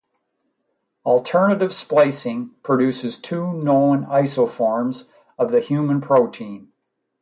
Alternative splicing produces two known isoforms of the human protein.